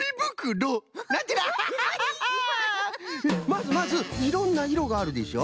まずまず「いろんないろがある」でしょ。